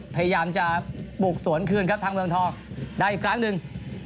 พยายามจะบุกสวนคืนครับทางเมืองทองได้อีกครั้งหนึ่ง